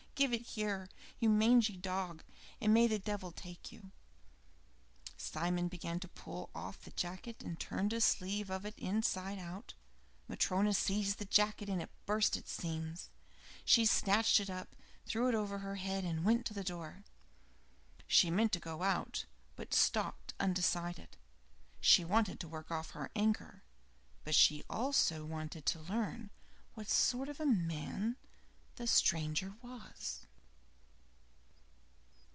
Give it here, you mangy dog, and may the devil take you." Simon began to pull off the jacket, and turned a sleeve of it inside out; Matryona seized the jacket and it burst its seams, She snatched it up, threw it over her head and went to the door. She meant to go out, but stopped undecided she wanted to work off her anger, but she also wanted to learn what sort of a man the stranger was.